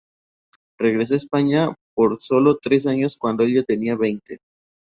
Regresó a España por sólo tres años cuando el ya tenía veinte.